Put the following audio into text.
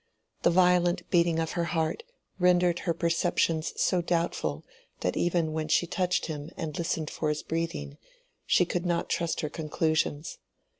The violent beating of her heart rendered her perceptions so doubtful that even when she touched him and listened for his breathing, she could not trust her conclusions.